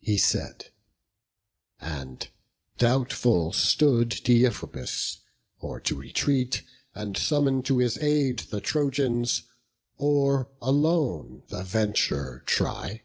He said; and doubtful stood Deiphobus, Or to retreat, and summon to his aid The Trojans, or alone the venture try.